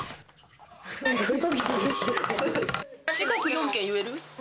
四国４県言える？